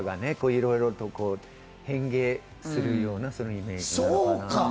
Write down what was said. いろいろと変幻するようなイメージか。